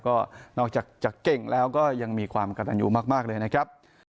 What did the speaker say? ก็นอกจากจะเก่งแล้วก็ยังมีความกระตันอยู่มากเลยนะครับ